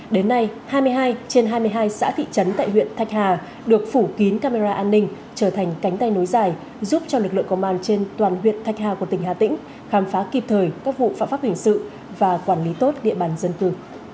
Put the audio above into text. đến nay hai mươi hai trên hai mươi hai xã thị trấn tại huyện thạch hà được phủ kín camera an ninh trở thành cánh tay nối dài giúp cho lực lượng công an trên toàn huyện thạch hà của tỉnh hà tĩnh khám phá kịp thời các vụ phạm pháp hình sự và quản lý tốt địa bàn dân cư